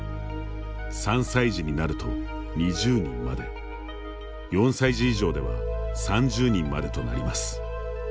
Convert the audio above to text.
３歳児になると２０人まで４歳児以上では３０人までとなります。